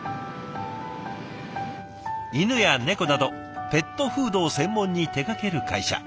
犬や猫などペットフードを専門に手がける会社。